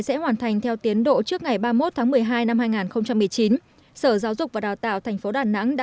sẽ hoàn thành theo tiến độ trước ngày ba mươi một tháng một mươi hai năm hai nghìn một mươi chín sở giáo dục và đào tạo tp đà nẵng đã